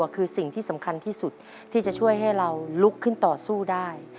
คือสิ่งที่สำคัญที่สุดที่จะช่วยให้เราลุกขึ้นต่อสู้ได้